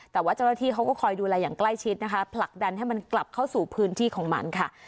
แต่ว่าเจ้าหน้าที่เขาก็คอยดูแลอย่างใกล้ชิดนะคะผลักดันให้มันกลับเข้าสู่พื้นที่ของมันค่ะ